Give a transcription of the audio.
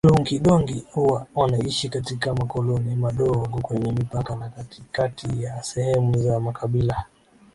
Loonkidongi huwa wanaishi katika makoloni madogo kwenye mipaka na katikati ya sehemu za makabila